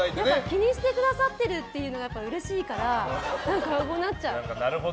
気にしてくださってるというのがやっぱりうれしいからこうなっちゃう。